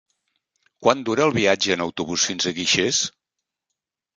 Quant dura el viatge en autobús fins a Guixers?